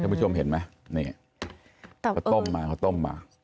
ผู้ชมเห็นไหมนี่เขาต้มมาเขาต้มมา